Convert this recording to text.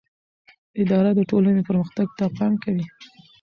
اداره د ټولنې پرمختګ ته پام کوي.